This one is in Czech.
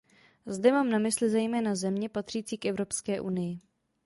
Zde mám na mysli zejména země patřící k Evropské unii.